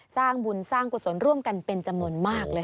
สร้างบุญสร้างกุศลร่วมกันเป็นจำนวนมากเลย